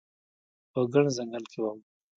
په ګڼ ځنګل کې وم